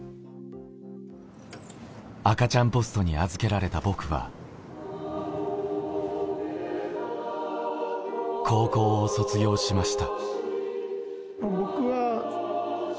赤ちゃんポストに預けられた僕は、高校を卒業しました。